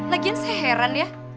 lagian saya heran ya